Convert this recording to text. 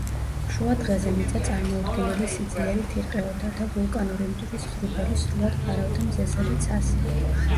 შუადღეზე მიწა წარმოუდგენელი სიძლიერით ირყეოდა და ვულკანური მტვრის ღრუბელი სრულად ფარავდა მზესა და ცას.